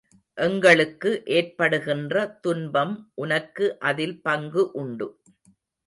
எங்களுக்கு ஏற்படுகின்ற துன்பம் உனக்கு அதில் பங்கு உண்டு.